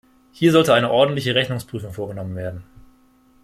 Hier sollte eine ordentliche Rechnungsprüfung vorgenommen werden.